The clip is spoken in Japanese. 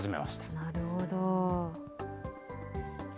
なるほど。